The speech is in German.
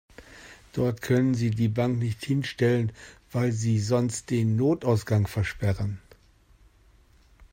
Dort können Sie die Bank nicht hinstellen, weil Sie sonst den Notausgang versperren.